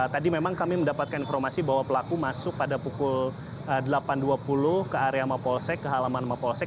tadi memang kami mendapatkan informasi bahwa pelaku masuk pada pukul delapan dua puluh ke area mapolsek ke halaman mapolsek